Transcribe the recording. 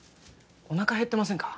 おなか減ってませんか？